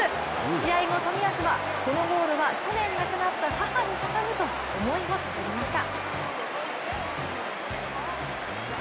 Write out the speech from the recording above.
試合後、冨安はこのゴールは去年亡くなった母にささぐと思いをつづりました。